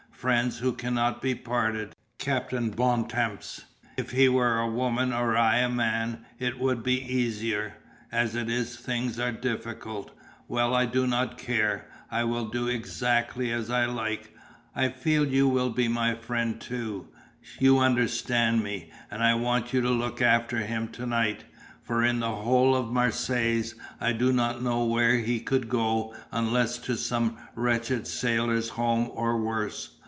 Friends who cannot be parted, Captain Bontemps. If he were a woman or I a man it would be easier. As it is things are difficult. Well, I do not care. I will do exactly as I like. I feel you will be my friend, too; you understand me. And I want you to look after him to night, for in the whole of Marseilles I do not know where he could go unless to some wretched Sailors' Home or worse.